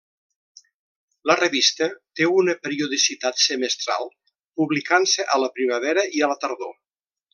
La revista té una periodicitat semestral, publicant-se a la primavera i a la tardor.